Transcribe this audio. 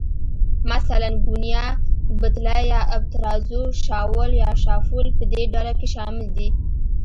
مثلاً، ګونیا، بتله یا آبترازو، شاول یا شافول په دې ډله کې شامل دي.